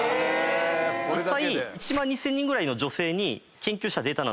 実際。